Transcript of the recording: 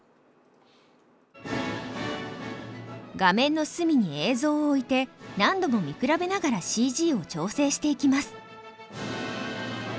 画面の隅に映像を置いて何度も見比べながらＣＧを調整していきます。